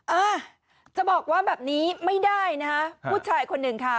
อ่าจะบอกว่าแบบนี้ไม่ได้นะคะผู้ชายคนหนึ่งค่ะ